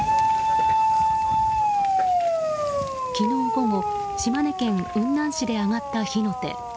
昨日午後島根県雲南市で上がった火の手。